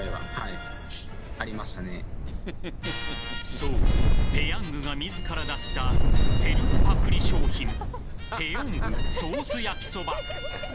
そう、ペヤングが自ら出したセルフパクリ商品ペヨングソースやきそば。